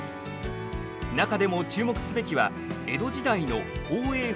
中でも注目すべきは江戸時代の宝永噴火。